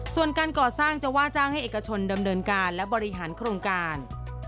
ส่วนการก่อสร้างจะว่าจ้างให้เอกชนดำเนินการและบริหารโครงการ